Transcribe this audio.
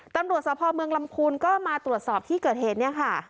ตำรวจสภเมืองลำพูนก็มาตรวจสอบที่เกิดเหตุเนี่ยค่ะ